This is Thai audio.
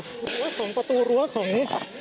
ก็จะถึงประตูหรือว่าของประตูหรือว่าของ